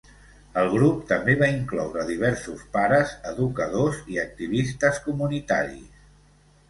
El grup també va incloure diversos pares, educadors i activistes comunitaris.